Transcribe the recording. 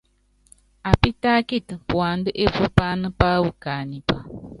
Apítákiti puandá epú paáná páwɔ kaánipa.